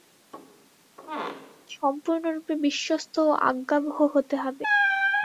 অধিকন্তু তাকে সম্পূর্ণরূপে বিশ্বস্ত ও আজ্ঞাবহ হতে হবে।